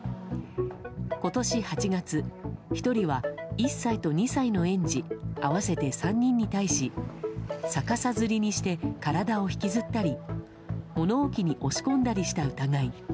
今年８月、１人は１歳と２歳の園児合わせて３人に対し逆さづりにして体を引きずったり物置に押し込んだりした疑い。